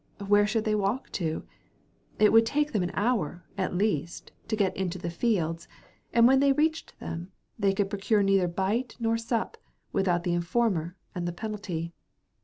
Where should they walk to? It would take them an hour, at least, to get into the fields, and when they reached them, they could procure neither bite nor sup, without the informer and the penalty.